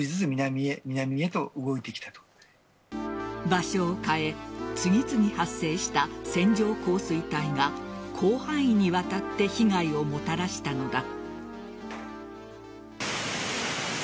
場所を変え次々発生した線状降水帯が広範囲にわたって被害をもたらしたのだ。